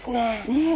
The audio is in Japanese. ねえ。